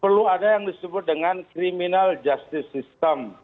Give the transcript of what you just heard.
perlu ada yang disebut dengan criminal justice system